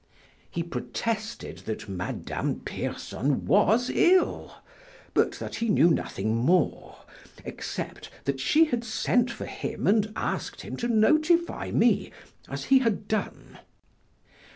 He protested that Madame Pierson was ill, but that he knew nothing more, except that she had sent for him and asked him to notify me as he had done.